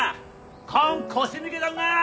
こん腰抜けどんが！